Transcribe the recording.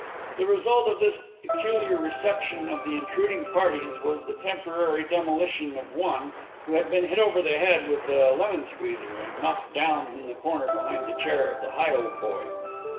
The result of this peculiar reception of the intruding parties was the temporary demolition of one, who had been hit over the head with the lemon squeezer, and knocked down in the corner behind the chair of the Higholdboy.